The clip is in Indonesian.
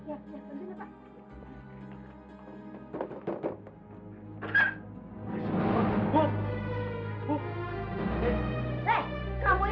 anak anak dibilangin kakde ya